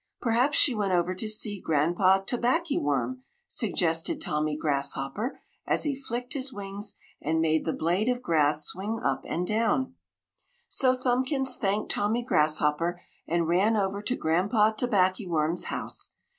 "Perhaps she went over to see Granpa Tobackyworm!" suggested Tommy Grasshopper, as he flicked his wings and made the blade of grass swing up and down. So Thumbkins thanked Tommy Grasshopper and ran over to Granpa Tobacyworm's house.